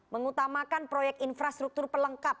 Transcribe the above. mengutamakan proyek infrastruktur pelengkap